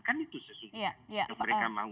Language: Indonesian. kan itu sesuatu yang mereka maui